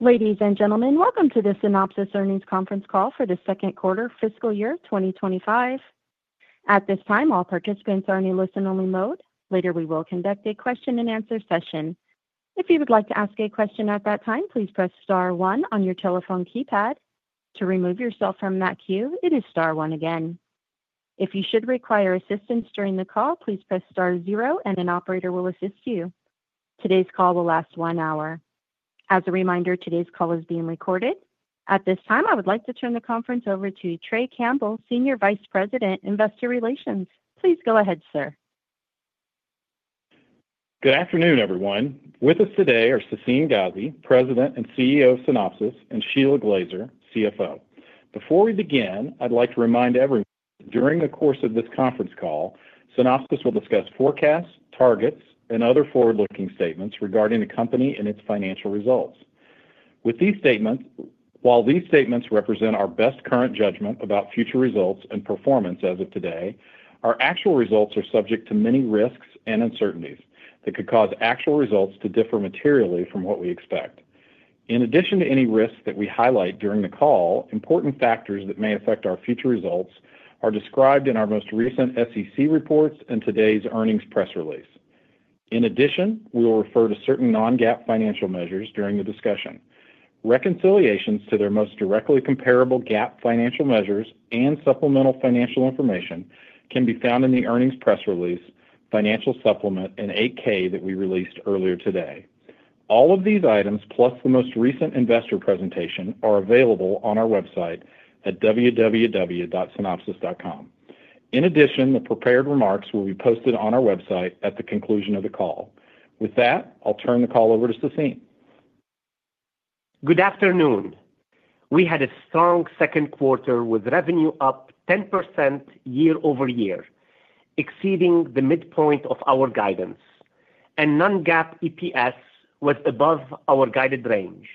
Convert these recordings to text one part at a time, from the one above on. Ladies and gentlemen, welcome to the Synopsys Earnings Conference call for the second quarter fiscal year 2025. At this time, all participants are in a listen-only mode. Later, we will conduct a question-and-answer session. If you would like to ask a question at that time, please press star one on your telephone keypad. To remove yourself from that queue, it is star one again. If you should require assistance during the call, please press star zero, and an operator will assist you. Today's call will last one hour. As a reminder, today's call is being recorded. At this time, I would like to turn the conference over to Trey Campbell, Senior Vice President, Investor Relations. Please go ahead, sir. Good afternoon, everyone. With us today are Sassine Ghazi, President and CEO of Synopsys, and Sheila Glaser, CFO. Before we begin, I'd like to remind everyone that during the course of this conference call, Synopsys will discuss forecasts, targets, and other forward-looking statements regarding the company and its financial results. While these statements represent our best current judgment about future results and performance as of today, our actual results are subject to many risks and uncertainties that could cause actual results to differ materially from what we expect. In addition to any risks that we highlight during the call, important factors that may affect our future results are described in our most recent SEC reports and today's earnings press release. In addition, we will refer to certain non-GAAP financial measures during the discussion. Reconciliations to their most directly comparable GAAP financial measures and supplemental financial information can be found in the earnings press release, financial supplement, and 8-K that we released earlier today. All of these items, plus the most recent investor presentation, are available on our website at www.Synopsys.com. In addition, the prepared remarks will be posted on our website at the conclusion of the call. With that, I'll turn the call over to Sassine. Good afternoon. We had a strong second quarter with revenue up 10% year-over-year, exceeding the midpoint of our guidance, and non-GAAP EPS was above our guided range.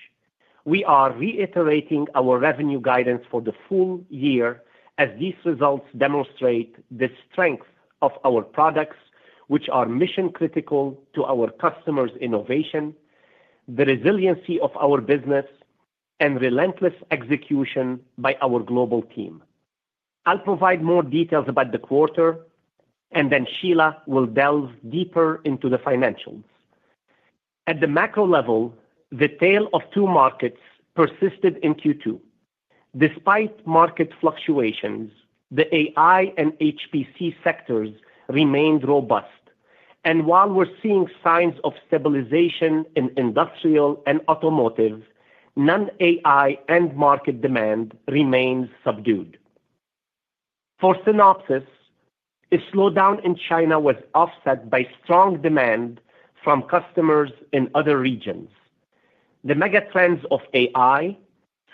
We are reiterating our revenue guidance for the full year as these results demonstrate the strength of our products, which are mission-critical to our customers' innovation, the resiliency of our business, and relentless execution by our global team. I'll provide more details about the quarter, and then Sheila will delve deeper into the financials. At the macro level, the tale of two markets persisted in Q2. Despite market fluctuations, the AI and HPC sectors remained robust, and while we're seeing signs of stabilization in industrial and automotive, non-AI and market demand remains subdued. For Synopsys, a slowdown in China was offset by strong demand from customers in other regions. The megatrends of AI,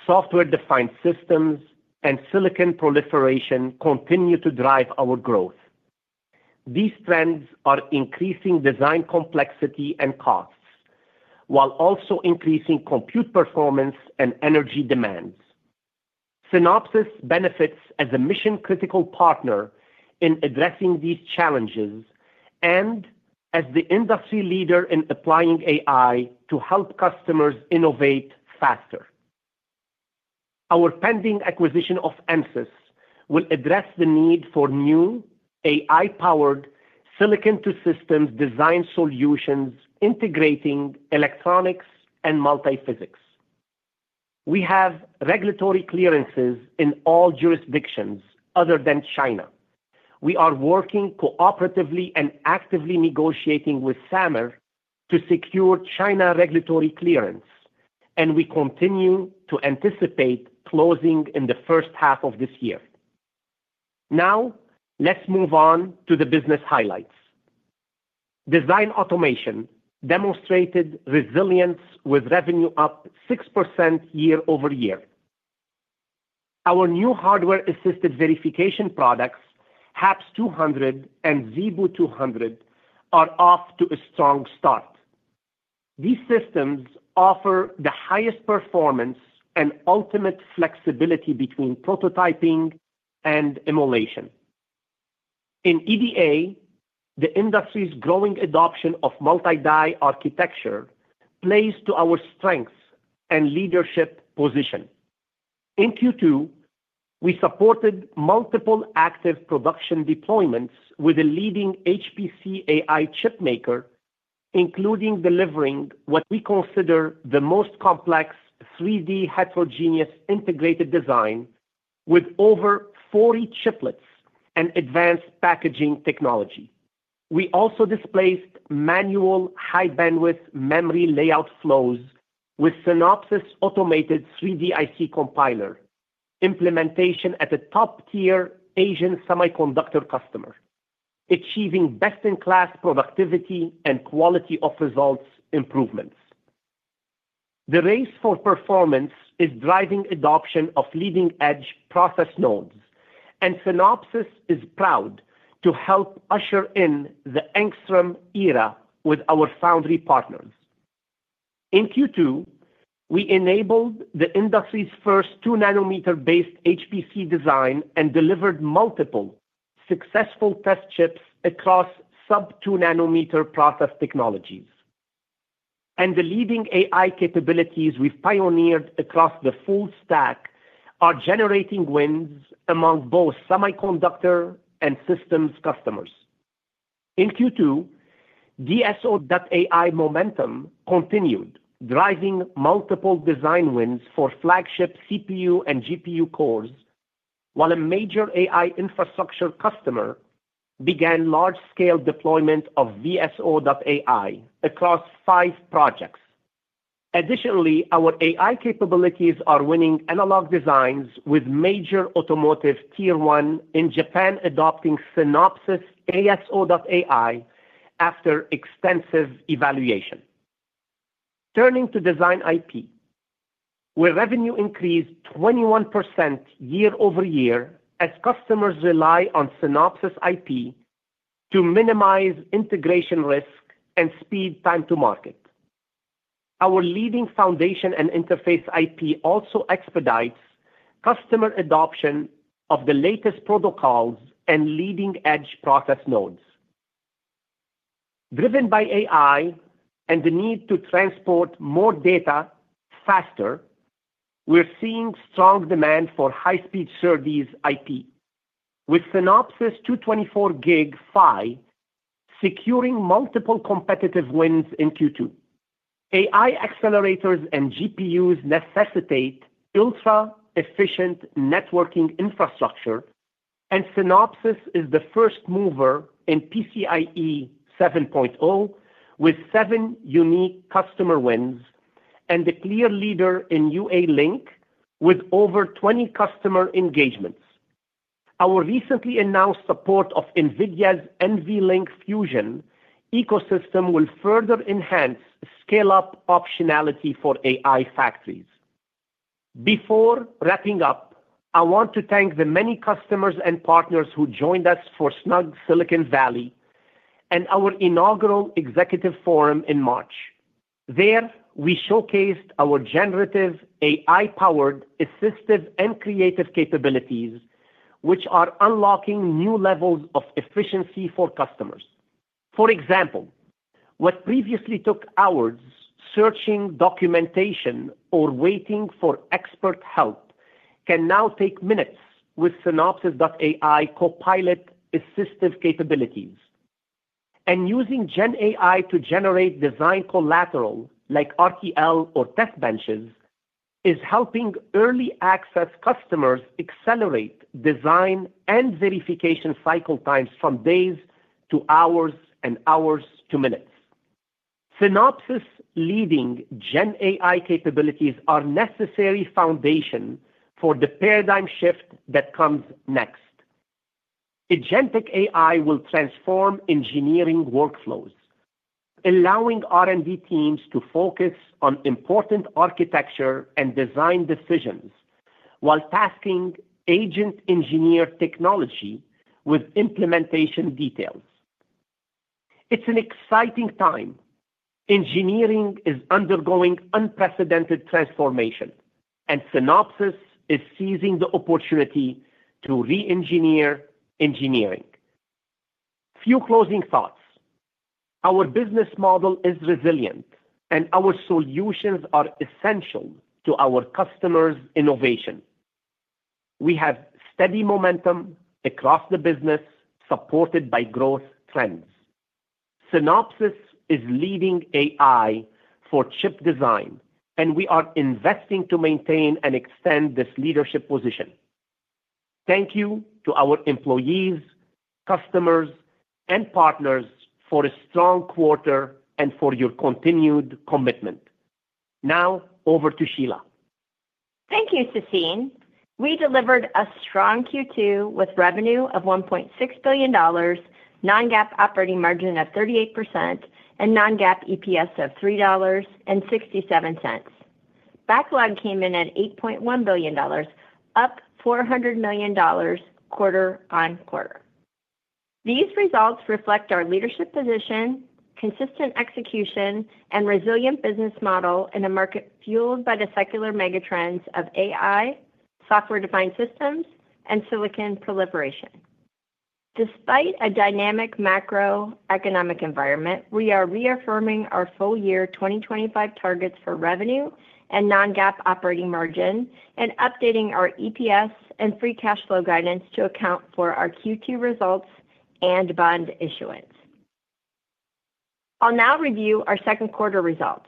software-defined systems, and silicon proliferation continue to drive our growth. These trends are increasing design complexity and costs while also increasing compute performance and energy demands. Synopsys benefits as a mission-critical partner in addressing these challenges and as the industry leader in applying AI to help customers innovate faster. Our pending acquisition of Ansys will address the need for new AI-powered silicon-to-systems design solutions integrating electronics and multiphysics. We have regulatory clearances in all jurisdictions other than China. We are working cooperatively and actively negotiating with SAMR to secure China regulatory clearance, and we continue to anticipate closing in the first half of this year. Now, let's move on to the business highlights. Design automation demonstrated resilience with revenue up 6% year-over-year. Our new hardware-assisted verification products, HAPS 200 and ZeBu 200, are off to a strong start. These systems offer the highest performance and ultimate flexibility between prototyping and emulation. In EDA, the industry's growing adoption of multi-die architecture plays to our strengths and leadership position. In Q2, we supported multiple active production deployments with a leading HPC AI chip maker, including delivering what we consider the most complex 3D heterogeneous integrated design with over 40 chiplets and advanced packaging technology. We also displaced manual high-bandwidth memory layout flows with Synopsys' automated 3D IC Compiler implementation at a top-tier Asian semiconductor customer, achieving best-in-class productivity and quality-of-results improvements. The race for performance is driving adoption of leading-edge process nodes, and Synopsys is proud to help usher in the Angstrom era with our foundry partners. In Q2, we enabled the industry's first 2-nanometer-based HPC design and delivered multiple successful test chips across sub-2-nanometer process technologies. The leading AI capabilities we've pioneered across the full stack are generating wins among both semiconductor and systems customers. In Q2, DSO.ai momentum continued, driving multiple design wins for flagship CPU and GPU cores, while a major AI infrastructure customer began large-scale deployment of VSO.ai across five projects. Additionally, our AI capabilities are winning analog designs with a major automotive tier one in Japan adopting Synopsys ASO.AI after extensive evaluation. Turning to design IP, revenue increased 21% year-over-year as customers rely on Synopsys IP to minimize integration risk and speed time-to-market. Our leading foundation and interface IP also expedites customer adoption of the latest protocols and leading-edge process nodes. Driven by AI and the need to transport more data faster, we're seeing strong demand for high-speed SerDes IP, with Synopsys 224G PHY securing multiple competitive wins in Q2. AI accelerators and GPUs necessitate ultra-efficient networking infrastructure, and Synopsys is the first mover in PCIe 7.0 with seven unique customer wins and a clear leader in UALink with over 20 customer engagements. Our recently announced support of NVIDIA's NVLink Fusion ecosystem will further enhance scale-up optionality for AI factories. Before wrapping up, I want to thank the many customers and partners who joined us for Snug Silicon Valley and our inaugural executive forum in March. There, we showcased our generative AI-powered assistive and creative capabilities, which are unlocking new levels of efficiency for customers. For example, what previously took hours searching documentation or waiting for expert help can now take minutes with Synopsys.AI Copilot assistive capabilities. Using GenAI to generate design collateral like RTL or test benches is helping early-access customers accelerate design and verification cycle times from days to hours and hours to minutes. Synopsys' leading GenAI capabilities are a necessary foundation for the paradigm shift that comes next. Agentic AI will transform engineering workflows, allowing R&D teams to focus on important architecture and design decisions while tasking agent engineer technology with implementation details. It's an exciting time. Engineering is undergoing unprecedented transformation, and Synopsys is seizing the opportunity to re-engineer engineering. Few closing thoughts. Our business model is resilient, and our solutions are essential to our customers' innovation. We have steady momentum across the business, supported by growth trends. Synopsys is leading AI for chip design, and we are investing to maintain and extend this leadership position. Thank you to our employees, customers, and partners for a strong quarter and for your continued commitment. Now, over to Shelagh. Thank you, Sassine. We delivered a strong Q2 with revenue of $1.6 billion, non-GAAP operating margin of 38%, and non-GAAP EPS of $3.67. Backlog came in at $8.1 billion, up $400 million quarter on quarter. These results reflect our leadership position, consistent execution, and resilient business model in a market fueled by the secular megatrends of AI, software-defined systems, and silicon proliferation. Despite a dynamic macroeconomic environment, we are reaffirming our full-year 2025 targets for revenue and non-GAAP operating margin and updating our EPS and free cash flow guidance to account for our Q2 results and bond issuance. I'll now review our second quarter results.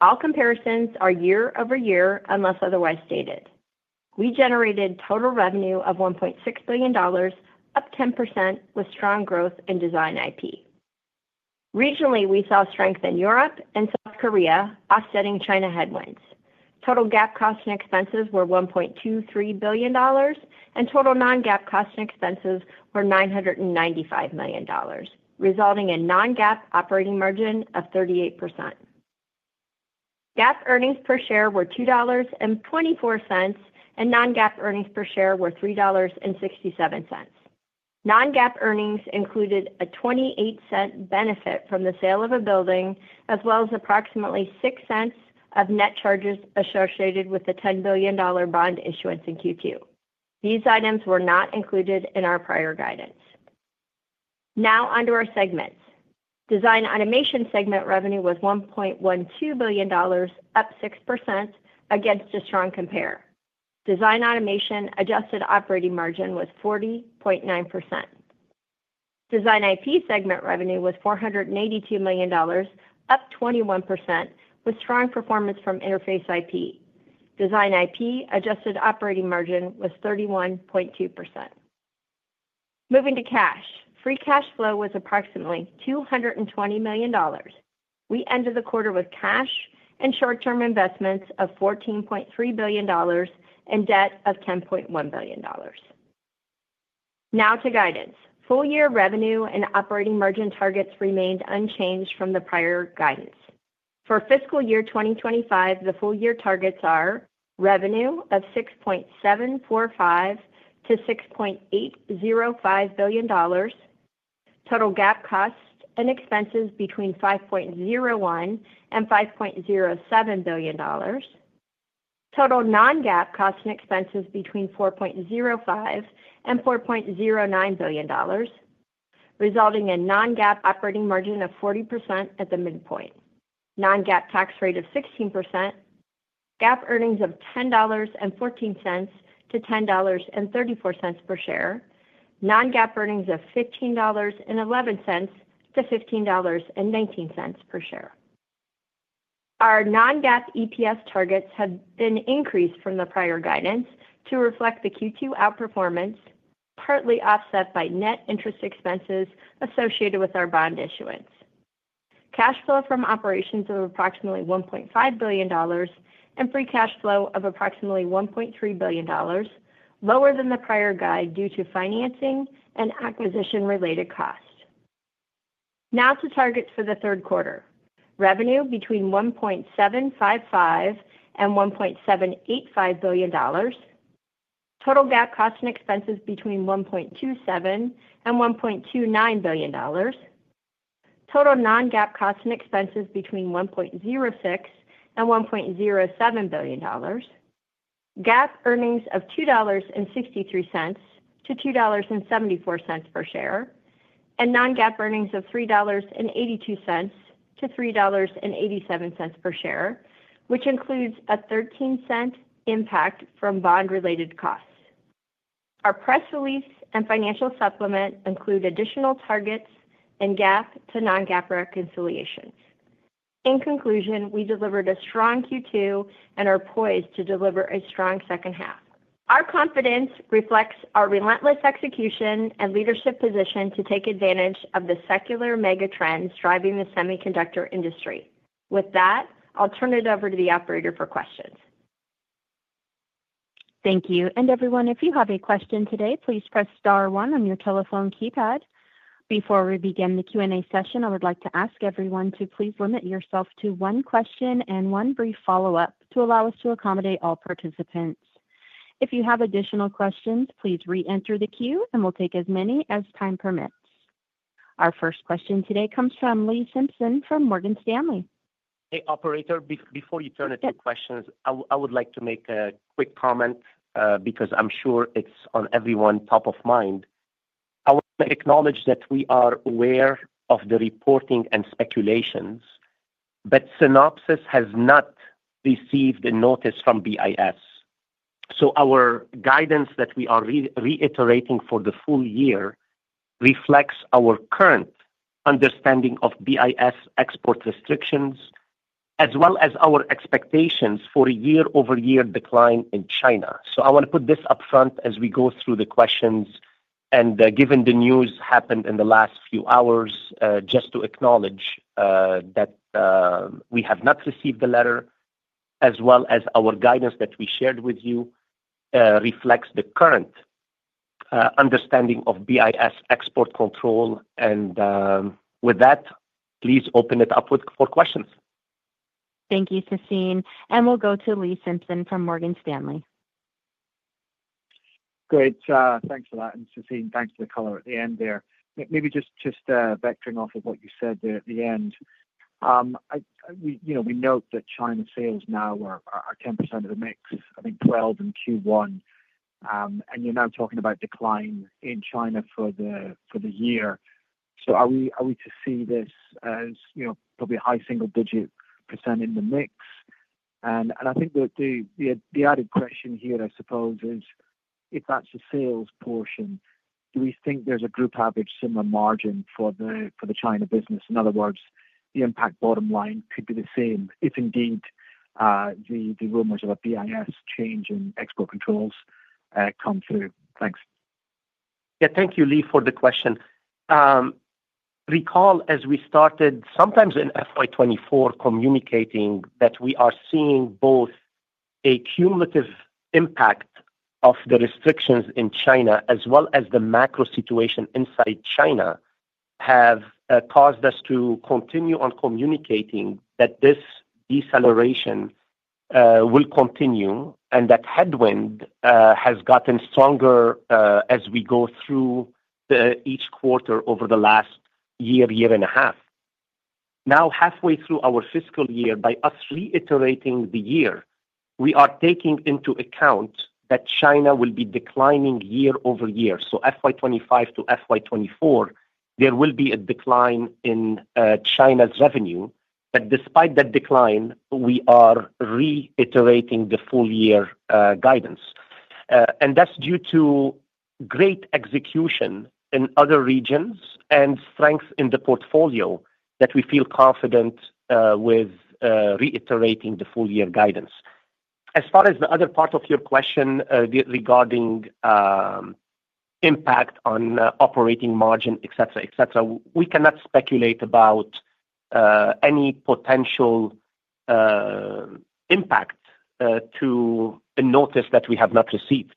All comparisons are year-over-year unless otherwise stated. We generated total revenue of $1.6 billion, up 10% with strong growth in design IP. Regionally, we saw strength in Europe and South Korea, offsetting China headwinds. Total GAAP costs and expenses were $1.23 billion, and total non-GAAP costs and expenses were $995 million, resulting in non-GAAP operating margin of 38%. GAAP earnings per share were $2.24, and non-GAAP earnings per share were $3.67. Non-GAAP earnings included a $0.28 benefit from the sale of a building, as well as approximately $0.06 of net charges associated with the $10 billion bond issuance in Q2. These items were not included in our prior guidance. Now, onto our segments. Design automation segment revenue was $1.12 billion, up 6%, against a strong compare. Design automation adjusted operating margin was 40.9%. Design IP segment revenue was $482 million, up 21%, with strong performance from interface IP. Design IP adjusted operating margin was 31.2%. Moving to cash, free cash flow was approximately $220 million. We ended the quarter with cash and short-term investments of $14.3 billion and debt of $10.1 billion. Now to guidance. Full-year revenue and operating margin targets remained unchanged from the prior guidance. For fiscal year 2025, the full-year targets are revenue of $6.745 billion-$6.805 billion, total GAAP costs and expenses between $5.01 billion and $5.07 billion, total non-GAAP costs and expenses between $4.05 billion and $4.09 billion, resulting in non-GAAP operating margin of 40% at the midpoint, non-GAAP tax rate of 16%, GAAP earnings of $10.14-$10.34 per share, non-GAAP earnings of $15.11-$15.19 per share. Our non-GAAP EPS targets have been increased from the prior guidance to reflect the Q2 outperformance, partly offset by net interest expenses associated with our bond issuance. Cash flow from operations of approximately $1.5 billion and free cash flow of approximately $1.3 billion, lower than the prior guide due to financing and acquisition-related costs. Now to targets for the third quarter. Revenue between $1.755-$1.785 billion, total GAAP costs and expenses between $1.27-$1.29 billion, total non-GAAP costs and expenses between $1.06-$1.07 billion, GAAP earnings of $2.63-$2.74 per share, and non-GAAP earnings of $3.82-$3.87 per share, which includes a $0.13 impact from bond-related costs. Our press release and financial supplement include additional targets and GAAP to non-GAAP reconciliations. In conclusion, we delivered a strong Q2 and are poised to deliver a strong second half. Our confidence reflects our relentless execution and leadership position to take advantage of the secular megatrends driving the semiconductor industry. With that, I'll turn it over to the operator for questions. Thank you. If you have a question today, please press star one on your telephone keypad. Before we begin the Q&A session, I would like to ask everyone to please limit yourself to one question and one brief follow-up to allow us to accommodate all participants. If you have additional questions, please re-enter the queue, and we will take as many as time permits. Our first question today comes from Lee Simpson from Morgan Stanley. Hey, operator, before you turn it to questions, I would like to make a quick comment because I'm sure it's on everyone's top of mind. I want to acknowledge that we are aware of the reporting and speculations, but Synopsys has not received a notice from BIS. Our guidance that we are reiterating for the full year reflects our current understanding of BIS export restrictions, as well as our expectations for a year-over-year decline in China. I want to put this upfront as we go through the questions. Given the news happened in the last few hours, just to acknowledge that we have not received the letter, as well as our guidance that we shared with you, reflects the current understanding of BIS export control. With that, please open it up for questions. Thank you, Sassine. We will go to Lee Simpson from Morgan Stanley. Great. Thanks for that. And Sassine, thanks for the color at the end there. Maybe just vectoring off of what you said there at the end. We note that China sales now are 10% of the mix, I think 12% in Q1. And you're now talking about decline in China for the year. Are we to see this as probably a high single-digit % in the mix? I think the added question here, I suppose, is if that's the sales portion, do we think there's a group average similar margin for the China business? In other words, the impact bottom line could be the same if indeed the rumors of a BIS change in export controls come through. Thanks. Yeah, thank you, Lee, for the question. Recall, as we started, sometimes in FY 2024, communicating that we are seeing both a cumulative impact of the restrictions in China as well as the macro situation inside China have caused us to continue on communicating that this deceleration will continue and that headwind has gotten stronger as we go through each quarter over the last year, year and a half. Now, halfway through our fiscal year, by us reiterating the year, we are taking into account that China will be declining year -over-year. FY 2025-FY 2024, there will be a decline in China's revenue. Despite that decline, we are reiterating the full-year guidance. That is due to great execution in other regions and strength in the portfolio that we feel confident with reiterating the full-year guidance. As far as the other part of your question regarding impact on operating margin, etc., etc., we cannot speculate about any potential impact to a notice that we have not received.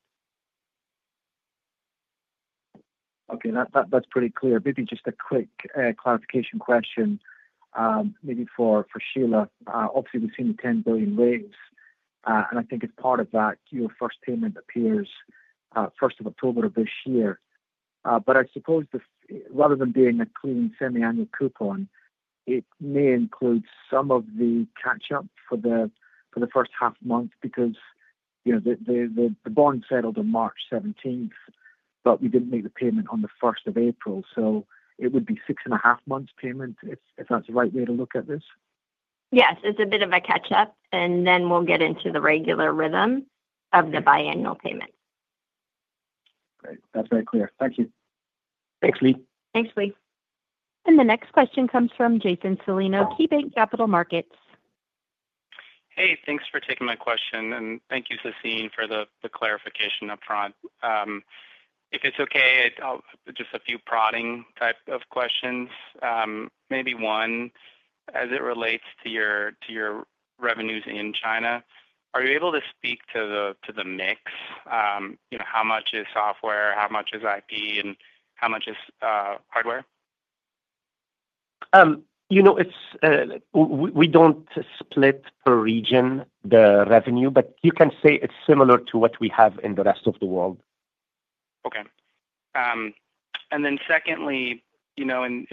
Okay. That's pretty clear. Maybe just a quick clarification question, maybe for Shelagh. Obviously, we've seen the $10 billion raise. I think as part of that, your first payment appears 1st of October of this year. I suppose rather than being a clean semiannual coupon, it may include some of the catch-up for the first half month because the bond settled on March 17th, but we didn't make the payment on the 1st of April. It would be six and a half months' payment, if that's the right way to look at this? Yes. It's a bit of a catch-up, and then we'll get into the regular rhythm of the biannual payments. Great. That's very clear. Thank you. Thanks, Lee. Thanks, Lee. The next question comes from Jason Celino, KeyBanc Capital Markets. Hey, thanks for taking my question. And thank you, Sassine, for the clarification upfront. If it's okay, just a few prodding type of questions. Maybe one as it relates to your revenues in China. Are you able to speak to the mix? How much is software, how much is IP, and how much is hardware? You know, we don't split per region the revenue, but you can say it's similar to what we have in the rest of the world. Okay. And then secondly, you know, in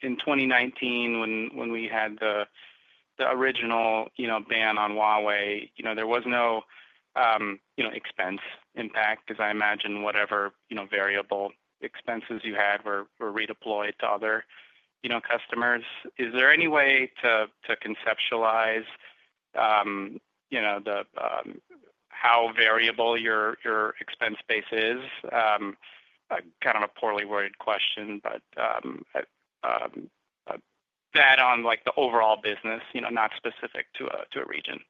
2019, when we had the original ban on Huawei, you know, there was no expense impact, as I imagine whatever variable expenses you had were redeployed to other customers. Is there any way to conceptualize how variable your expense base is? Kind of a poorly worded question, but that on the overall business, not specific to a region.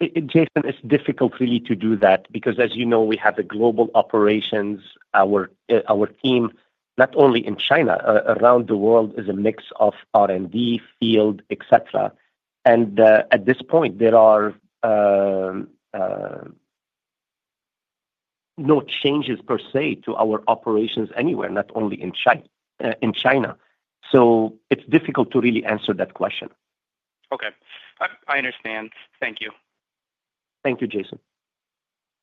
Jason, it's difficult really to do that because, as you know, we have a global operations. Our team, not only in China, around the world, is a mix of R&D, field, etc. At this point, there are no changes per se to our operations anywhere, not only in China. It's difficult to really answer that question. Okay. I understand. Thank you. Thank you, Jason.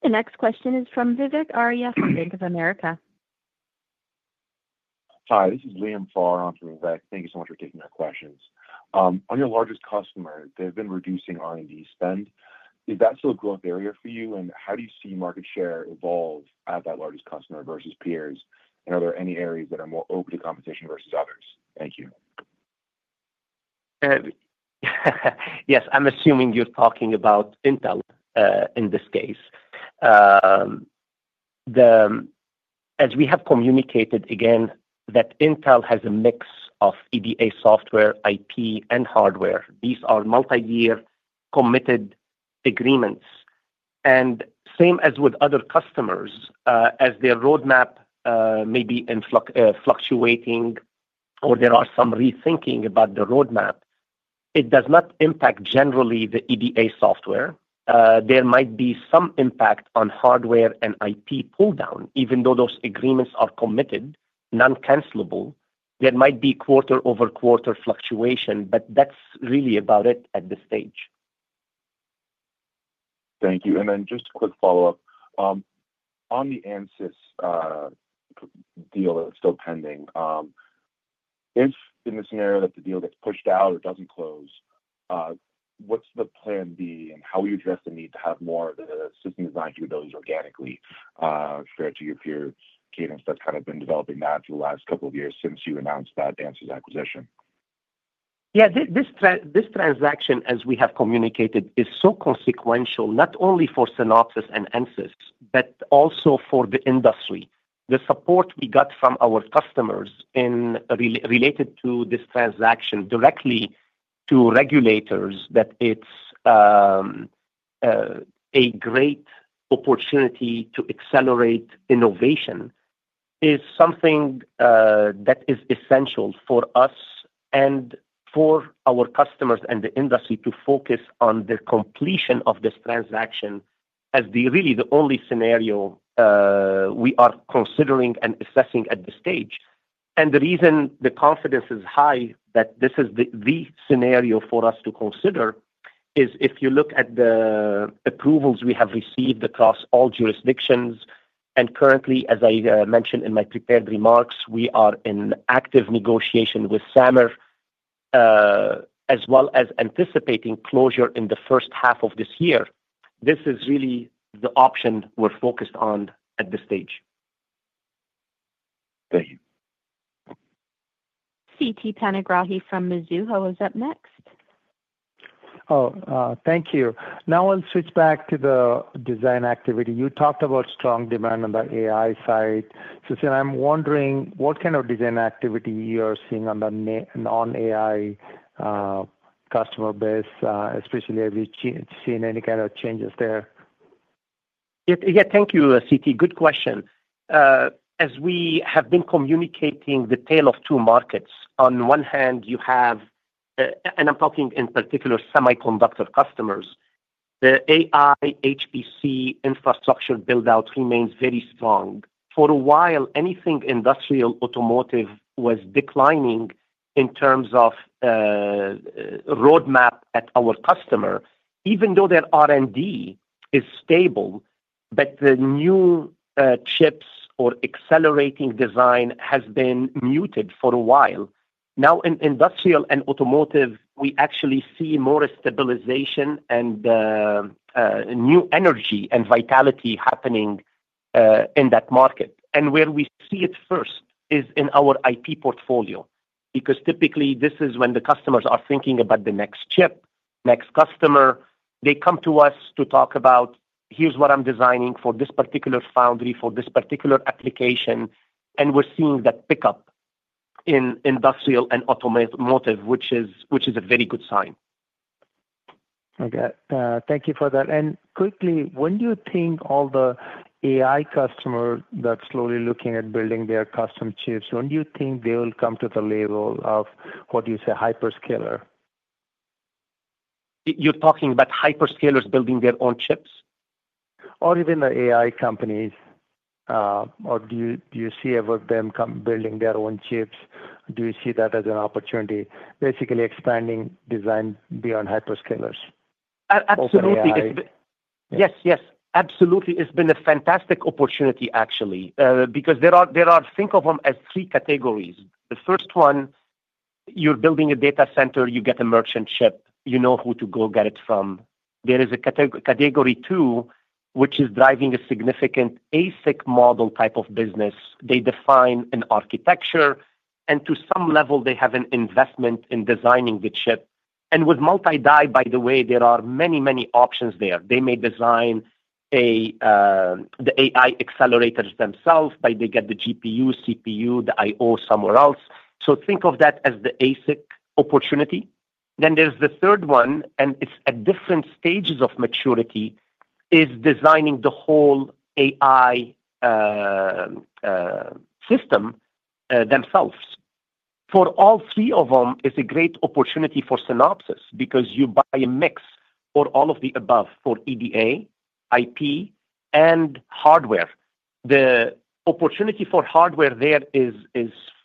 The next question is from Vivek Arya from Bank of America. Hi. This is Liam Pharr on from Vivek. Thank you so much for taking our questions. On your largest customer, they've been reducing R&D spend. Is that still a growth area for you? How do you see market share evolve at that largest customer versus peers? Are there any areas that are more open to competition versus others? Thank you. Yes. I'm assuming you're talking about Intel in this case. As we have communicated, again, that Intel has a mix of EDA software, IP, and hardware. These are multi-year committed agreements. Same as with other customers, as their roadmap may be fluctuating or there are some rethinking about the roadmap, it does not impact generally the EDA software. There might be some impact on hardware and IP pull-down, even though those agreements are committed, non-cancelable. There might be quarter-over-quarter fluctuation, but that's really about it at this stage. Thank you. And then just a quick follow-up. On the Ansys deal that is still pending, if in the scenario that the deal gets pushed out or does not close, what is the plan B and how will you address the need to have more of the system design capabilities organically shared to your peers, Cadence, that is kind of been developing that for the last couple of years since you announced that Ansys acquisition? Yeah. This transaction, as we have communicated, is so consequential, not only for Synopsys and Ansys, but also for the industry. The support we got from our customers related to this transaction directly to regulators that it's a great opportunity to accelerate innovation is something that is essential for us and for our customers and the industry to focus on the completion of this transaction as really the only scenario we are considering and assessing at this stage. The reason the confidence is high that this is the scenario for us to consider is if you look at the approvals we have received across all jurisdictions. Currently, as I mentioned in my prepared remarks, we are in active negotiation with SAMR, as well as anticipating closure in the first half of this year. This is really the option we're focused on at this stage. Thank you. Sitikantha Panigrahi from Mizuho. Who is up next? Oh, thank you. Now I'll switch back to the design activity. You talked about strong demand on the AI side. Sassine, I'm wondering what kind of design activity you are seeing on the non-AI customer base, especially if you've seen any kind of changes there. Yeah, thank you, CT. Good question. As we have been communicating the tale of two markets, on one hand, you have—and I'm talking in particular semiconductor customers—the AI HPC infrastructure build-out remains very strong. For a while, anything industrial automotive was declining in terms of roadmap at our customer, even though their R&D is stable, but the new chips or accelerating design has been muted for a while. Now, in industrial and automotive, we actually see more stabilization and new energy and vitality happening in that market. Where we see it first is in our IP portfolio because typically this is when the customers are thinking about the next chip, next customer. They come to us to talk about, "Here's what I'm designing for this particular foundry, for this particular application." We're seeing that pickup in industrial and automotive, which is a very good sign. Okay. Thank you for that. Quickly, when do you think all the AI customers that are slowly looking at building their custom chips, when do you think they will come to the level of what you say, hyperscaler? You're talking about hyperscalers building their own chips? Or even the AI companies. Or do you see ever them building their own chips? Do you see that as an opportunity, basically expanding design beyond hyperscalers? Absolutely. Yes, absolutely. It's been a fantastic opportunity, actually, because there are—think of them as three categories. The first one, you're building a data center, you get a merchant ship, you know who to go get it from. There is a category two, which is driving a significant ASIC model type of business. They define an architecture, and to some level, they have an investment in designing the chip. And with multi-die, by the way, there are many, many options there. They may design the AI accelerators themselves, but they get the GPU, CPU, the I/O somewhere else. Think of that as the ASIC opportunity. Then there's the third one, and it's at different stages of maturity, is designing the whole AI system themselves. For all three of them, it's a great opportunity for Synopsys because you buy a mix for all of the above for EDA, IP, and hardware. The opportunity for hardware there is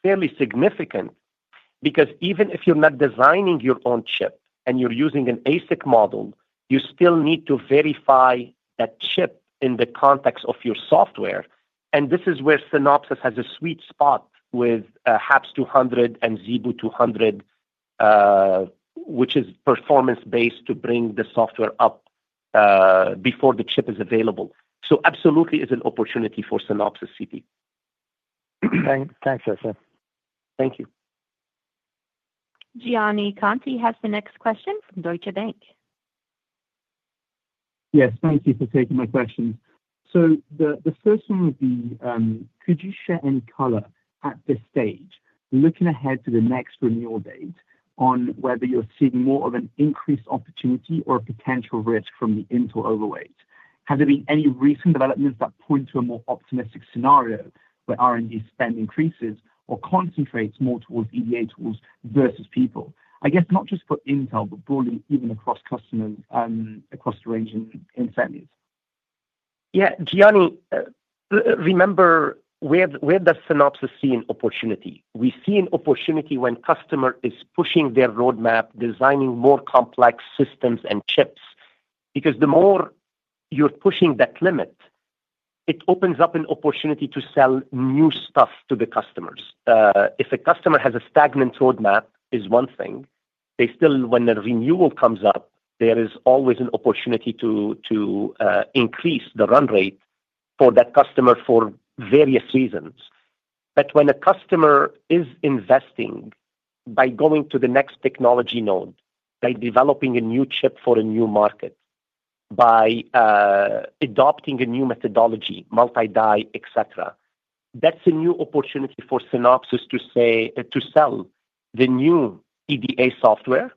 fairly significant because even if you're not designing your own chip and you're using an ASIC model, you still need to verify that chip in the context of your software. This is where Synopsys has a sweet spot with HAPS 200 and ZeBu 200, which is performance-based to bring the software up before the chip is available. Absolutely is an opportunity for Synopsys, CT. Thanks, Jason. Thank you. Gianni Conti has the next question from Deutsche Bank. Yes, thank you for taking my questions. The first one would be, could you share any color at this stage, looking ahead to the next renewal date, on whether you're seeing more of an increased opportunity or potential risk from the Intel overweight? Have there been any recent developments that point to a more optimistic scenario where R&D spend increases or concentrates more towards EDA tools versus people? I guess not just for Intel, but broadly even across customers across the region in families. Yeah. Gianni, remember where does Synopsys see an opportunity? We see an opportunity when a customer is pushing their roadmap, designing more complex systems and chips. Because the more you're pushing that limit, it opens up an opportunity to sell new stuff to the customers. If a customer has a stagnant roadmap, it is one thing. They still, when the renewal comes up, there is always an opportunity to increase the run rate for that customer for various reasons. When a customer is investing by going to the next technology node, by developing a new chip for a new market, by adopting a new methodology, multi-die, etc., that is a new opportunity for Synopsys to sell the new EDA software,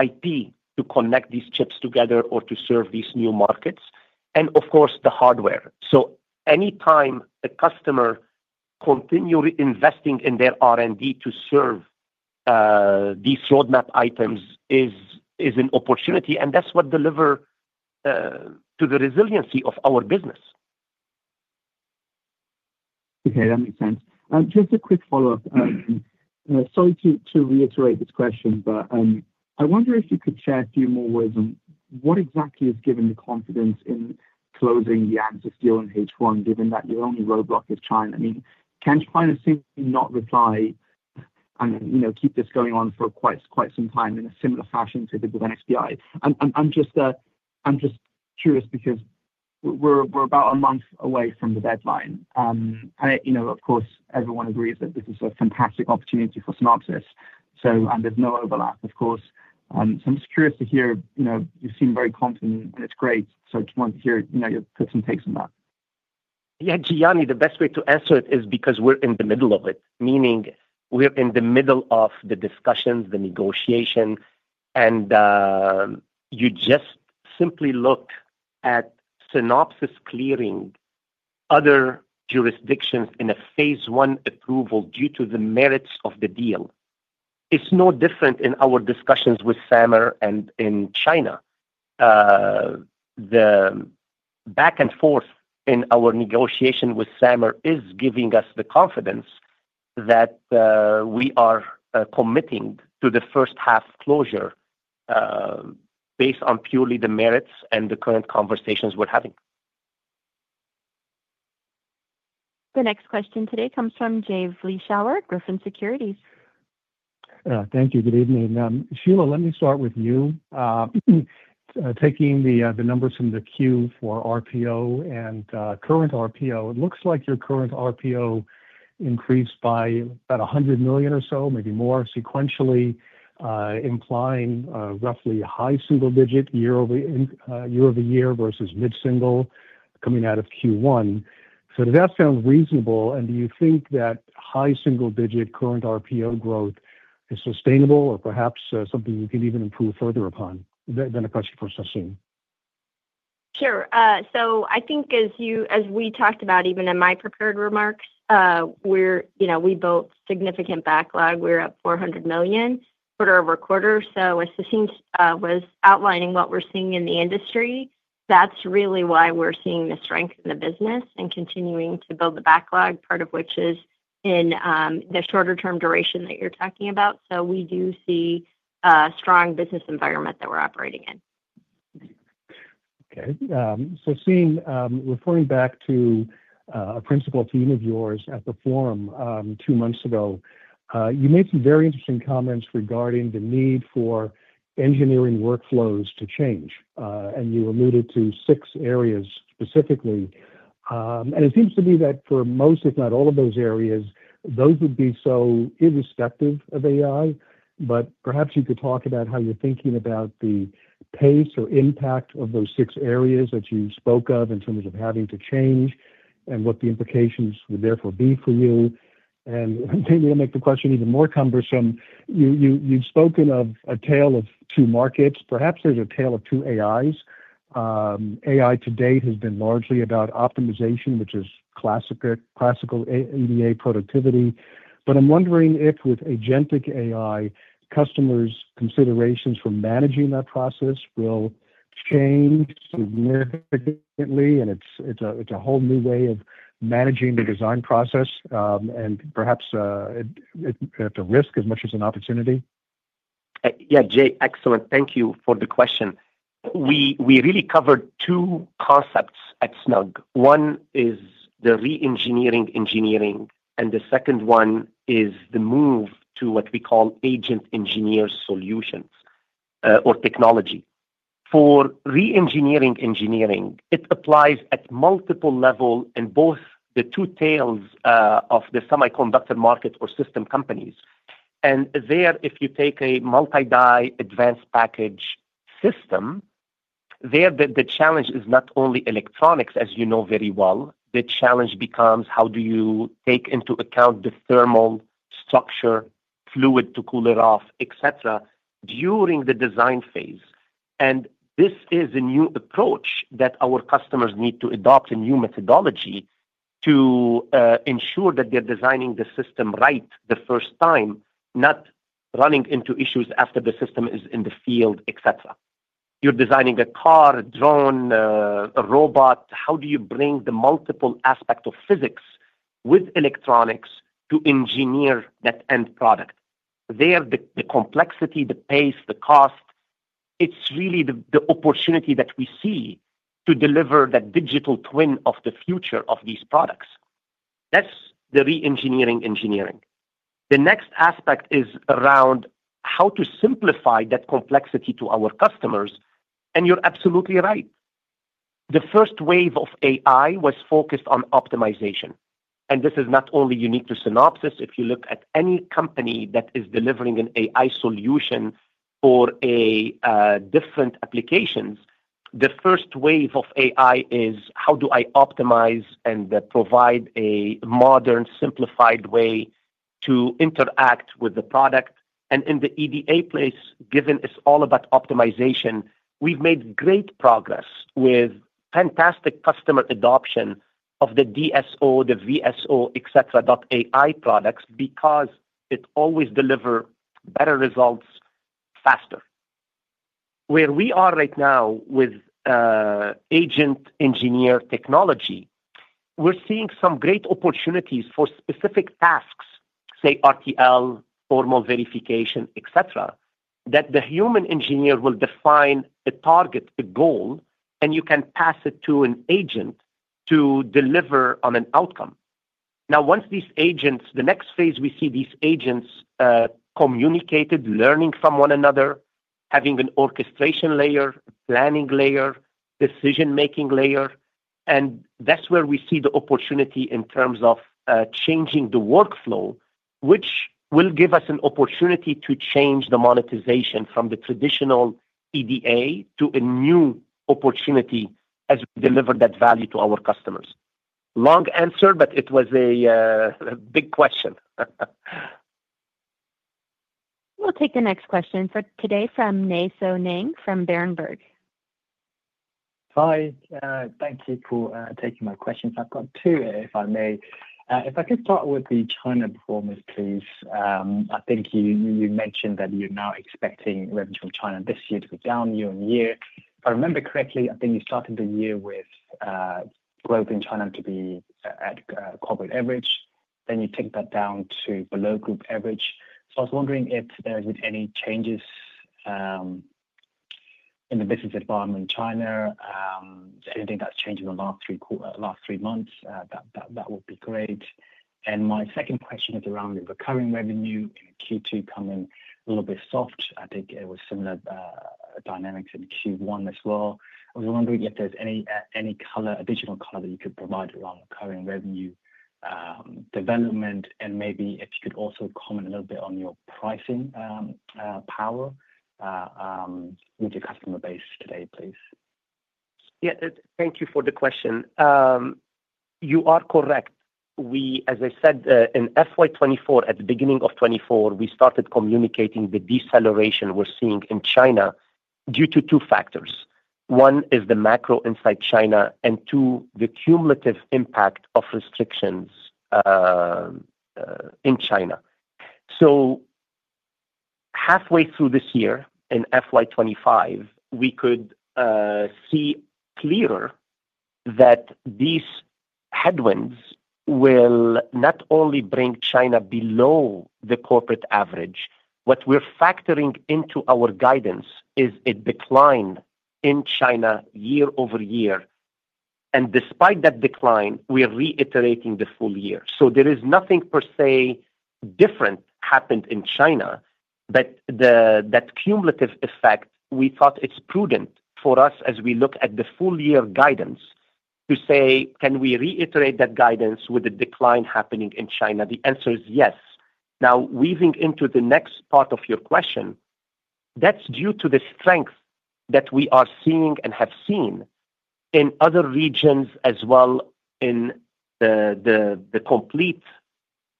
IP, to connect these chips together or to serve these new markets, and of course, the hardware. Any time a customer continues investing in their R&D to serve these roadmap items is an opportunity, and that's what delivers to the resiliency of our business. Okay. That makes sense. Just a quick follow-up. Sorry to reiterate this question, but I wonder if you could share a few more words on what exactly is giving the confidence in closing the Ansys deal in H1, given that your only roadblock is China? I mean, can China simply not reply and keep this going on for quite some time in a similar fashion to the Bitcoin XPI? I'm just curious because we're about a month away from the deadline. Of course, everyone agrees that this is a fantastic opportunity for Synopsys, and there's no overlap, of course. I'm just curious to hear you seem very confident, and it's great. I just wanted to hear your thoughts and takes on that. Yeah. Gianni, the best way to answer it is because we're in the middle of it, meaning we're in the middle of the discussions, the negotiation, and you just simply look at Synopsys clearing other jurisdictions in a phase one approval due to the merits of the deal. It's no different in our discussions with Samer and in China. The back and forth in our negotiation with Samer is giving us the confidence that we are committing to the first half closure based on purely the merits and the current conversations we're having. The next question today comes from Jay Vleeschhouwer at Griffin Securities. Thank you. Good evening. Shelagh, let me start with you. Taking the numbers from the queue for RPO and current RPO, it looks like your current RPO increased by about $100 million or so, maybe more, sequentially, implying roughly a high single-digit year-over-year versus mid-single coming out of Q1. Does that sound reasonable? Do you think that high single-digit current RPO growth is sustainable or perhaps something you can even improve further upon? A question for Sassine. Sure. I think as we talked about, even in my prepared remarks, we built significant backlog. We're up $400 million quarter over quarter. As Sassine was outlining what we're seeing in the industry, that's really why we're seeing the strength in the business and continuing to build the backlog, part of which is in the shorter-term duration that you're talking about. We do see a strong business environment that we're operating in. Okay. Sassine, referring back to a principal theme of yours at the forum two months ago, you made some very interesting comments regarding the need for engineering workflows to change. You alluded to six areas specifically. It seems to me that for most, if not all of those areas, those would be so irrespective of AI. Perhaps you could talk about how you're thinking about the pace or impact of those six areas that you spoke of in terms of having to change and what the implications would therefore be for you. Maybe to make the question even more cumbersome, you've spoken of a tale of two markets. Perhaps there's a tale of two AIs. AI to date has been largely about optimization, which is classical EDA productivity. I'm wondering if with agentic AI, customers' considerations for managing that process will change significantly? It's a whole new way of managing the design process, and perhaps at the risk as much as an opportunity. Yeah, Jay, excellent. Thank you for the question. We really covered two concepts at Snug. One is the re-engineering engineering, and the second one is the move to what we call agent engineer solutions or technology. For re-engineering engineering, it applies at multiple levels in both the two tails of the semiconductor market or system companies. There, if you take a multi-die advanced package system, the challenge is not only electronics, as you know very well. The challenge becomes, how do you take into account the thermal structure, fluid to cool it off, etc., during the design phase? This is a new approach that our customers need to adopt, a new methodology to ensure that they're designing the system right the first time, not running into issues after the system is in the field, etc. You're designing a car, drone, a robot. How do you bring the multiple aspects of physics with electronics to engineer that end product? There, the complexity, the pace, the cost, it's really the opportunity that we see to deliver that digital twin of the future of these products. That's the re-engineering engineering. The next aspect is around how to simplify that complexity to our customers. You're absolutely right. The first wave of AI was focused on optimization. This is not only unique to Synopsys. If you look at any company that is delivering an AI solution for different applications, the first wave of AI is, how do I optimize and provide a modern, simplified way to interact with the product? In the EDA place, given it's all about optimization, we've made great progress with fantastic customer adoption of the DSO, the VSO, etc., AI products because it always delivers better results faster. Where we are right now with agent engineer technology, we're seeing some great opportunities for specific tasks, say, RTL, formal verification, etc., that the human engineer will define a target, a goal, and you can pass it to an agent to deliver on an outcome. Now, once these agents, the next phase we see these agents communicated, learning from one another, having an orchestration layer, planning layer, decision-making layer. That is where we see the opportunity in terms of changing the workflow, which will give us an opportunity to change the monetization from the traditional EDA to a new opportunity as we deliver that value to our customers. Long answer, but it was a big question. We'll take the next question for today from Nay Soe Naing from Berenberg. Hi. Thank you for taking my questions. I've got two, if I may. If I could start with the China performance, please. I think you mentioned that you're now expecting revenue from China this year to go down year-on-year. If I remember correctly, I think you started the year with growth in China to be at corporate average. Then you ticked that down to below group average. I was wondering if there have been any changes in the business environment in China, anything that's changed in the last three months. That would be great. My second question is around the recurring revenue in Q2 coming a little bit soft. I think it was similar dynamics in Q1 as well. I was wondering if there's any additional color that you could provide around recurring revenue development, and maybe if you could also comment a little bit on your pricing power with your customer base today, please. Yeah. Thank you for the question. You are correct. As I said, in FY2024, at the beginning of 2024, we started communicating the deceleration we're seeing in China due to two factors. One is the macro inside China and two, the cumulative impact of restrictions in China. Halfway through this year in FY2025, we could see clearer that these headwinds will not only bring China below the corporate average. What we're factoring into our guidance is a decline in China year-over-year. Despite that decline, we're reiterating the full year. There is nothing per se different happened in China, but that cumulative effect, we thought it's prudent for us as we look at the full year guidance to say, can we reiterate that guidance with the decline happening in China? The answer is yes. Now, weaving into the next part of your question, that's due to the strength that we are seeing and have seen in other regions as well in the complete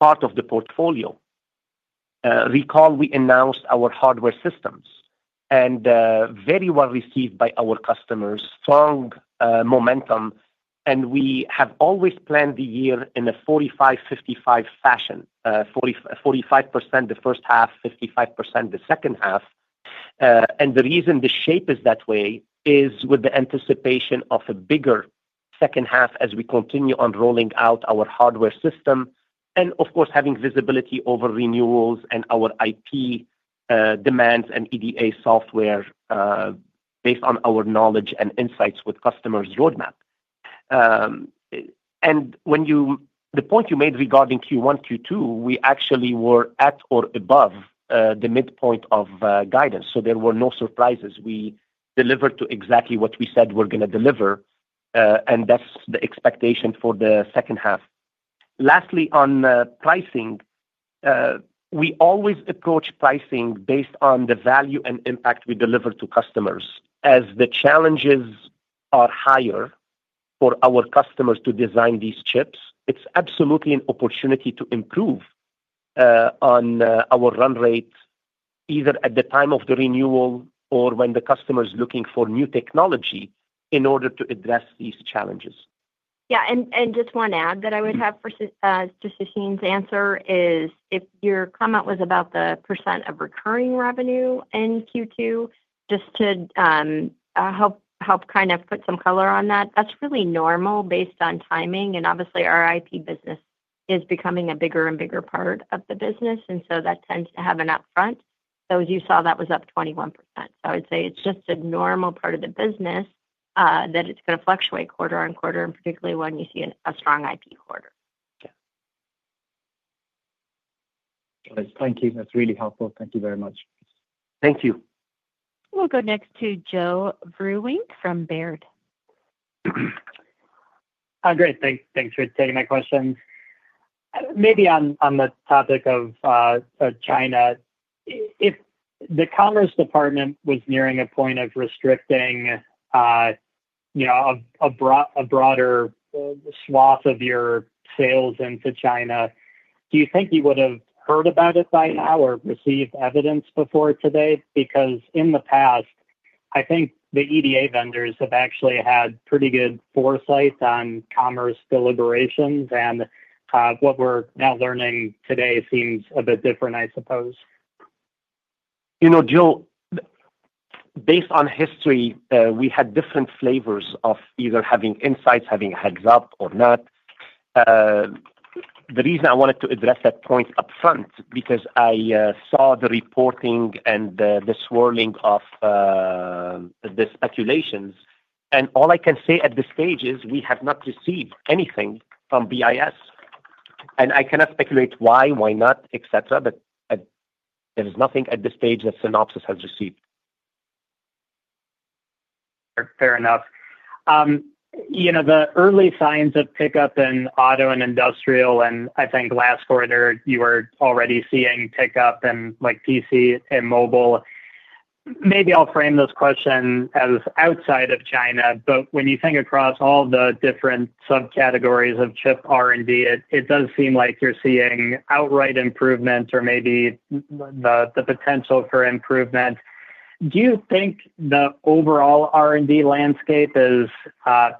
part of the portfolio. Recall, we announced our hardware systems and very well received by our customers, strong momentum. We have always planned the year in a 45-55 fashion, 45% the first half, 55% the second half. The reason the shape is that way is with the anticipation of a bigger second half as we continue on rolling out our hardware system and, of course, having visibility over renewals and our IP demands and EDA software based on our knowledge and insights with customers' roadmap. The point you made regarding Q1, Q2, we actually were at or above the midpoint of guidance. There were no surprises. We delivered to exactly what we said we're going to deliver, and that's the expectation for the second half. Lastly, on pricing, we always approach pricing based on the value and impact we deliver to customers. As the challenges are higher for our customers to design these chips, it's absolutely an opportunity to improve on our run rate, either at the time of the renewal or when the customer is looking for new technology in order to address these challenges. Yeah. Just one add that I would have for Sassine's answer is if your comment was about the % of recurring revenue in Q2, just to help kind of put some color on that, that's really normal based on timing. Obviously, our IP business is becoming a bigger and bigger part of the business, and so that tends to have an upfront. Those you saw, that was up 21%. I would say it's just a normal part of the business that it's going to fluctuate quarter on quarter, and particularly when you see a strong IP quarter. Thank you. That's really helpful. Thank you very much. Thank you. We'll go next to Joe Vruwink from Baird. Hi, Greg. Thanks for taking my question. Maybe on the topic of China, if the Commerce Department was nearing a point of restricting a broader swath of your sales into China, do you think you would have heard about it by now or received evidence before today? Because in the past, I think the EDA vendors have actually had pretty good foresight on commerce deliberations, and what we're now learning today seems a bit different, I suppose. You know, Jill, based on history, we had different flavors of either having insights, having a heads-up or not. The reason I wanted to address that point upfront is because I saw the reporting and the swirling of the speculations. All I can say at this stage is we have not received anything from BIS. I cannot speculate why, why not, etc., but there is nothing at this stage that Synopsys has received. Fair enough. The early signs of pickup in auto and industrial, and I think last quarter, you were already seeing pickup in PC and mobile. Maybe I'll frame this question as outside of China, but when you think across all the different subcategories of chip R&D, it does seem like you're seeing outright improvement or maybe the potential for improvement. Do you think the overall R&D landscape is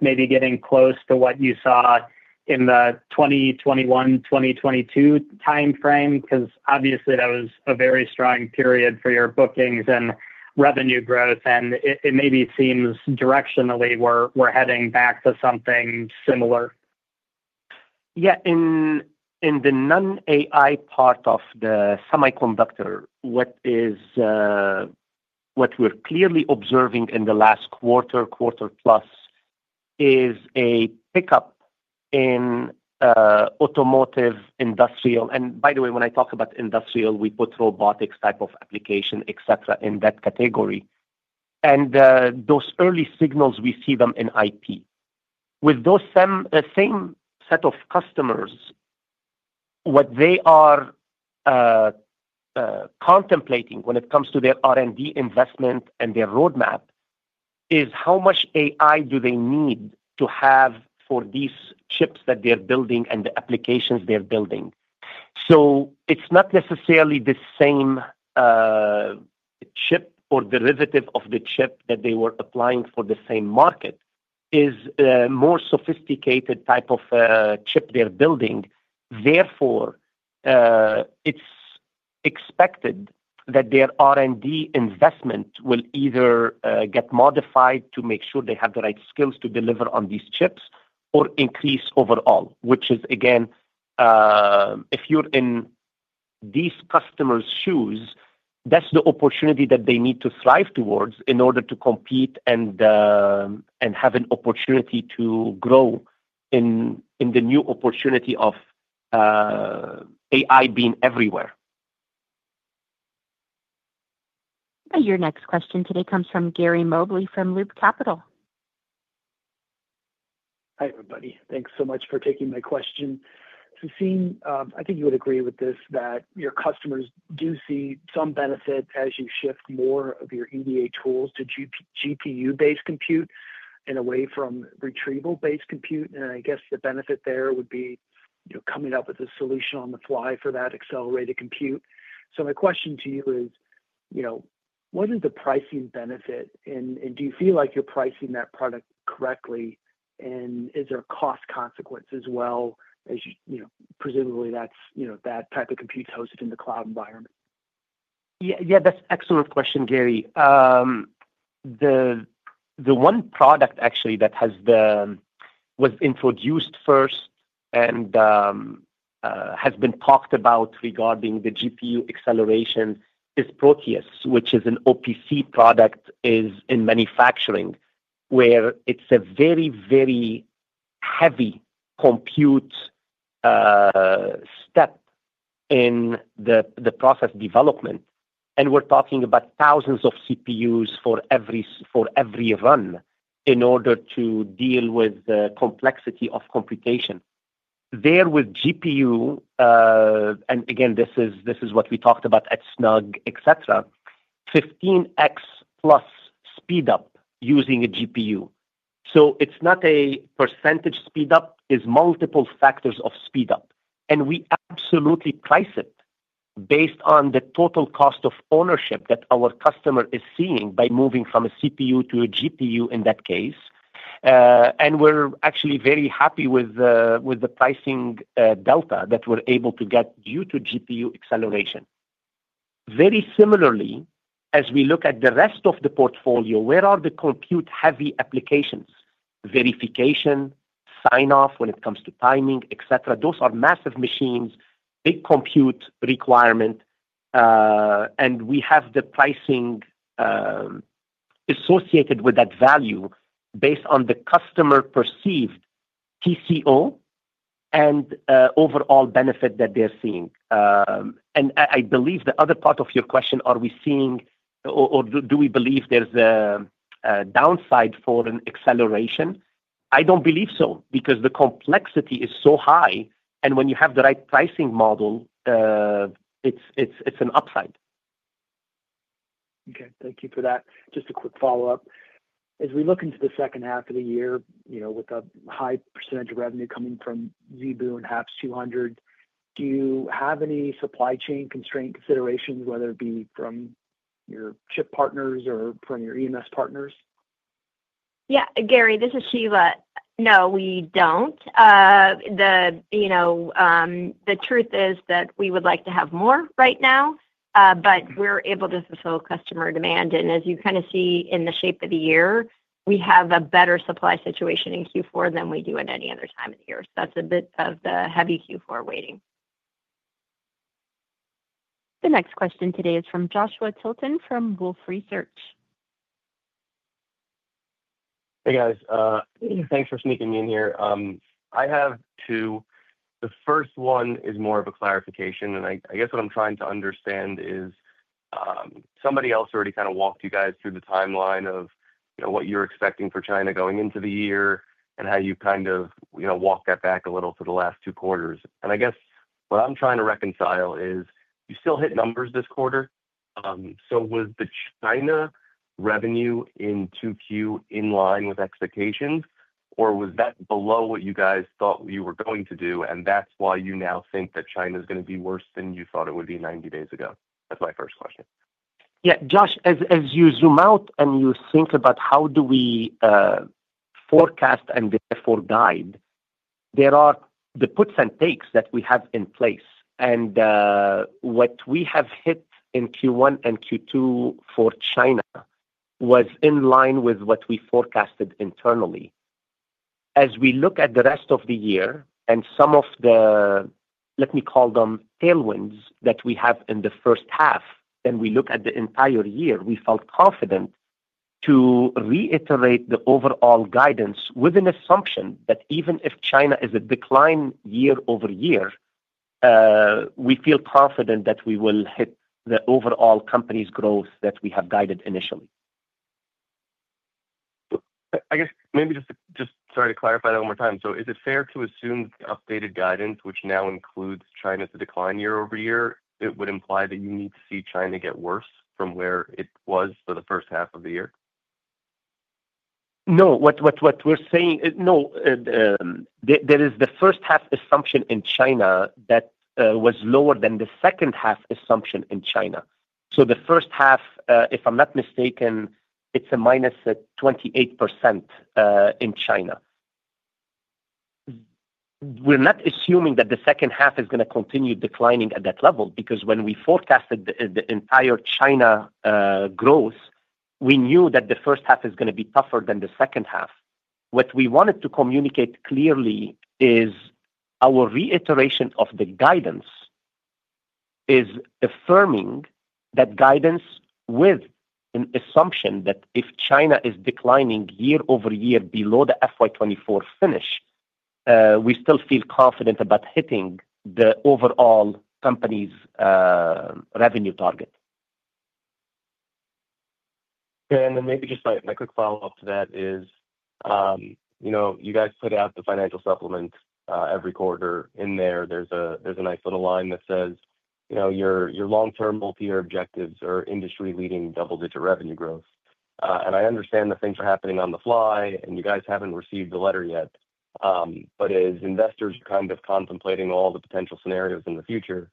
maybe getting close to what you saw in the 2021, 2022 timeframe? Because obviously, that was a very strong period for your bookings and revenue growth, and it maybe seems directionally we're heading back to something similar. Yeah. In the non-AI part of the semiconductor, what we're clearly observing in the last quarter, quarter plus, is a pickup in automotive industrial. By the way, when I talk about industrial, we put robotics type of application, etc., in that category. Those early signals, we see them in IP. With those same set of customers, what they are contemplating when it comes to their R&D investment and their roadmap is how much AI do they need to have for these chips that they're building and the applications they're building. It's not necessarily the same chip or derivative of the chip that they were applying for the same market. It's a more sophisticated type of chip they're building. Therefore, it's expected that their R&D investment will either get modified to make sure they have the right skills to deliver on these chips or increase overall, which is, again, if you're in these customers' shoes, that's the opportunity that they need to thrive towards in order to compete and have an opportunity to grow in the new opportunity of AI being everywhere. Your next question today comes from Gary Mobley from Loop Capital. Hi, everybody. Thanks so much for taking my question. Sassine, I think you would agree with this that your customers do see some benefit as you shift more of your EDA tools to GPU-based compute and away from retrieval-based compute. I guess the benefit there would be coming up with a solution on the fly for that accelerated compute. My question to you is, what is the pricing benefit, and do you feel like you're pricing that product correctly, and is there a cost consequence as well as presumably that type of compute is hosted in the cloud environment? Yeah, that's an excellent question, Gary. The one product actually that was introduced first and has been talked about regarding the GPU acceleration is Proteus, which is an OPC product in manufacturing where it's a very, very heavy compute step in the process development. We're talking about thousands of CPUs for every run in order to deal with the complexity of computation. There with GPU, and again, this is what we talked about at Snug, etc., 15x plus speedup using a GPU. It's not a percentage speedup; it's multiple factors of speedup. We absolutely price it based on the total cost of ownership that our customer is seeing by moving from a CPU to a GPU in that case. We're actually very happy with the pricing delta that we're able to get due to GPU acceleration. Very similarly, as we look at the rest of the portfolio, where are the compute-heavy applications? Verification, sign-off when it comes to timing, etc. Those are massive machines, big compute requirement, and we have the pricing associated with that value based on the customer perceived TCO and overall benefit that they're seeing. I believe the other part of your question, are we seeing or do we believe there's a downside for an acceleration? I don't believe so because the complexity is so high, and when you have the right pricing model, it's an upside. Okay. Thank you for that. Just a quick follow-up. As we look into the second half of the year with a high percentage of revenue coming from ZeBu and HAPS 200, do you have any supply chain constraint considerations, whether it be from your chip partners or from your EMS partners? Yeah. Gary, this is Shiva. No, we don't. The truth is that we would like to have more right now, but we're able to fulfill customer demand. And as you kind of see in the shape of the year, we have a better supply situation in Q4 than we do at any other time of the year. That's a bit of the heavy Q4 waiting. The next question today is from Joshua Tilton from Wolfe Research. Hey, guys. Thanks for sneaking me in here. I have. The first one is more of a clarification. I guess what I'm trying to understand is somebody else already kind of walked you guys through the timeline of what you're expecting for China going into the year and how you kind of walked that back a little to the last two quarters. I guess what I'm trying to reconcile is you still hit numbers this quarter. Was the China revenue in Q2 in line with expectations, or was that below what you guys thought you were going to do, and that's why you now think that China is going to be worse than you thought it would be 90 days ago? That's my first question. Yeah. Josh, as you zoom out and you think about how do we forecast and therefore guide, there are the puts and takes that we have in place. What we have hit in Q1 and Q2 for China was in line with what we forecasted internally. As we look at the rest of the year and some of the, let me call them tailwinds that we have in the first half, and we look at the entire year, we felt confident to reiterate the overall guidance with an assumption that even if China is a decline year-over-year, we feel confident that we will hit the overall company's growth that we have guided initially. I guess maybe just sorry to clarify that one more time. Is it fair to assume the updated guidance, which now includes China's decline year-over-year, would imply that you need to see China get worse from where it was for the first half of the year? No. What we're saying no, there is the first half assumption in China that was lower than the second half assumption in China. So the first half, if I'm not mistaken, it's a -28% in China. We're not assuming that the second half is going to continue declining at that level because when we forecasted the entire China growth, we knew that the first half is going to be tougher than the second half. What we wanted to communicate clearly is our reiteration of the guidance is affirming that guidance with an assumption that if China is declining year-over- year below the FY2024 finish, we still feel confident about hitting the overall company's revenue target. Maybe just my quick follow-up to that is you guys put out the financial supplement every quarter. In there, there's a nice little line that says your long-term multi-year objectives are industry-leading double-digit revenue growth. I understand that things are happening on the fly, and you guys haven't received the letter yet. As investors are kind of contemplating all the potential scenarios in the future,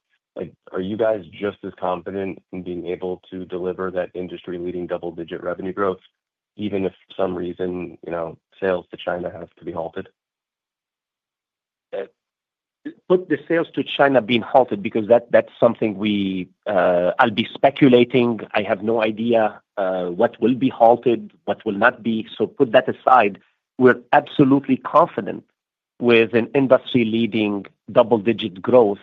are you guys just as confident in being able to deliver that industry-leading double-digit revenue growth even if for some reason sales to China have to be halted? Put the sales to China being halted because that's something I'll be speculating. I have no idea what will be halted, what will not be. Put that aside. We're absolutely confident with an industry-leading double-digit growth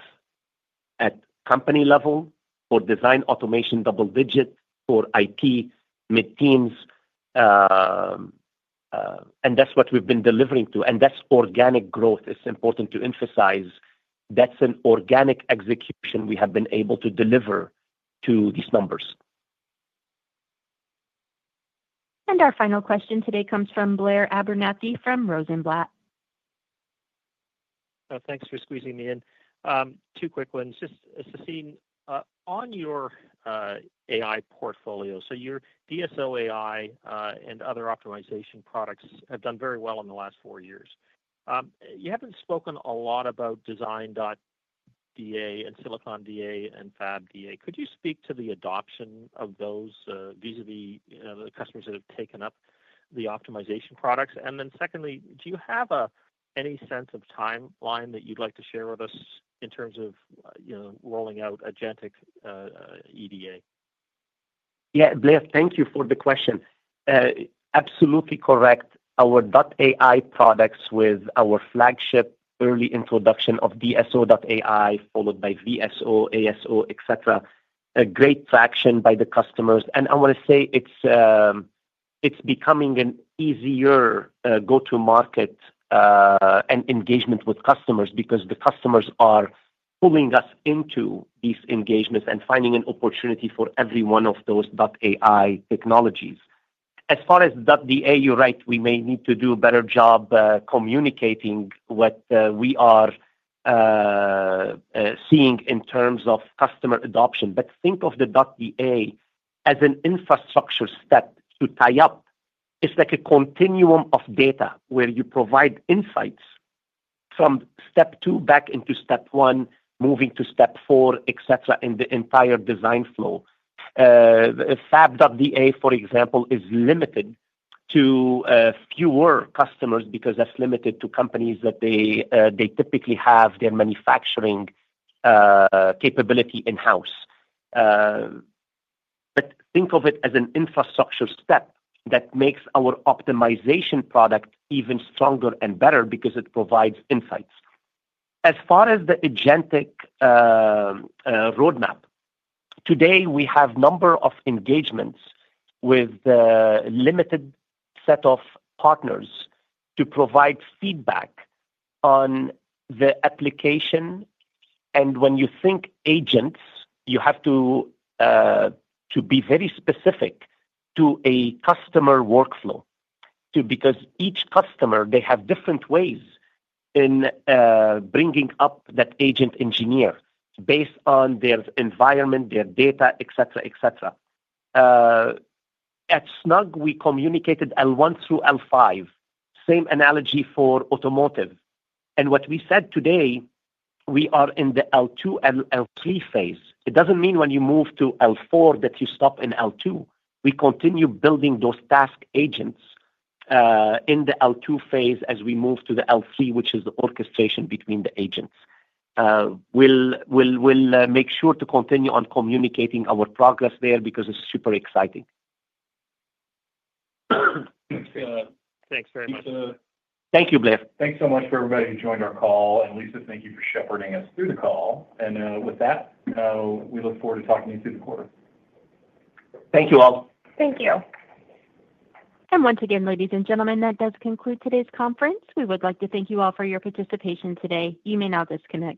at company level for design automation, double-digit for IP mid-teens. That's what we've been delivering to. That's organic growth. It's important to emphasize that's an organic execution we have been able to deliver to these numbers. Our final question today comes from Blair Abernathy from Rosenblatt. Thanks for squeezing me in. Two quick ones. Just Sassine, on your AI portfolio, so your DSO.ai and other optimization products have done very well in the last four years. You have not spoken a lot about Design.DA and Silicon.DA and Fab.da. Could you speak to the adoption of those vis-à-vis the customers that have taken up the optimization products? And then secondly, do you have any sense of timeline that you would like to share with us in terms of rolling out Agentic EDA? Yeah, Blair, thank you for the question. Absolutely correct. Our .AI products with our flagship early introduction of DSO.ai followed by VSO, ASO, etc. have great traction by the customers. I want to say it's becoming an easier go-to-market and engagement with customers because the customers are pulling us into these engagements and finding an opportunity for every one of those .AI technologies. As far as .DA, you're right, we may need to do a better job communicating what we are seeing in terms of customer adoption. Think of the .DA as an infrastructure step to tie up. It's like a continuum of data where you provide insights from step two back into step one, moving to step four, etc., in the entire design flow. Fab.da, for example, is limited to fewer customers because that's limited to companies that typically have their manufacturing capability in-house. Think of it as an infrastructure step that makes our optimization product even stronger and better because it provides insights. As far as the Agentic roadmap, today we have a number of engagements with a limited set of partners to provide feedback on the application. When you think agents, you have to be very specific to a customer workflow because each customer, they have different ways in bringing up that agent engineer based on their environment, their data, etc., etc. At Snug, we communicated L1 through L5. Same analogy for automotive. What we said today, we are in the L2 and L3 phase. It does not mean when you move to L4 that you stop in L2. We continue building those task agents in the L2 phase as we move to the L3, which is the orchestration between the agents. We'll make sure to continue on communicating our progress there because it's super exciting. Thanks very much. Thank you, Blair. Thanks so much for everybody who joined our call. Lisa, thank you for shepherding us through the call. With that, we look forward to talking to you through the quarter. Thank you all. Thank you. Once again, ladies and gentlemen, that does conclude today's conference. We would like to thank you all for your participation today. You may now disconnect.